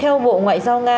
theo bộ ngoại giao nga